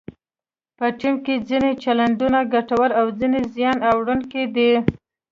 په ټیم کې ځینې چلندونه ګټور او ځینې زیان اړونکي وي.